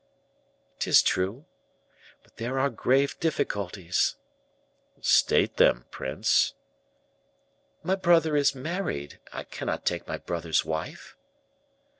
"'Tis true; but there are grave difficulties." "State them, prince." "My brother is married; I cannot take my brother's wife."